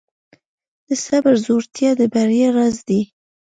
د صبر زړورتیا د بریا راز دی.